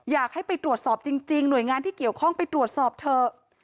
อยากให้ไปตรวจสอบจริงหน่วยงานที่เกี่ยวข้องไปตรวจสอบเถอะ